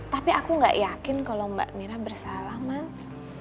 tapi aku gak yakin kalau mbak mira bersalah mas